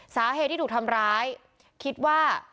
สาเหตุที่ถูกทำร้ายคิดว่า